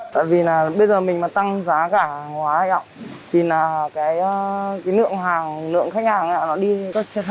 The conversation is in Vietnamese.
tại vì bây giờ mình mà tăng giá cả hàng hóa thì lượng khách hàng đi theo cách khác không chọn dịch vụ của mình chờ đợi nhà nước giảm thuế